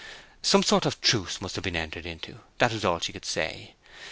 Some sort of truce must have been entered into, that was all she could say.